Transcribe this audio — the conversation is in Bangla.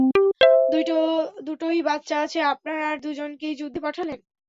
দুটোই বাচ্চা আছে আপনার আর দুজনকেই যুদ্ধে পাঠালেন!